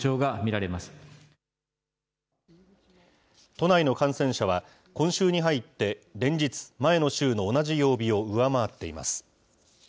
都内の感染者は、今週に入って連日、前の週の同じ曜日を上回っています。